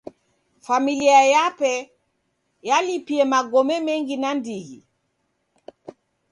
Familia yape yalipie magome mengi nandighi.